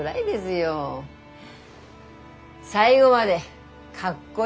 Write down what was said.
最後までかっこよ